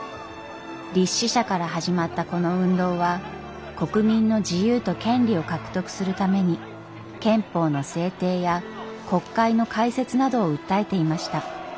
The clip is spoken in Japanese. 立志社から始まったこの運動は国民の自由と権利を獲得するために憲法の制定や国会の開設などを訴えていました。